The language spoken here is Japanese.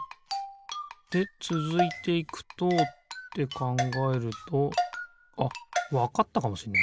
でつづいていくとってかんがえるとあっわかったかもしんない